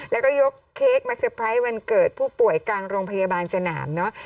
แล้วก็ยกเค้กมาเตอร์ไพรส์วันเกิดผู้ป่วยกลางโรงพยาบาลสนามเนาะ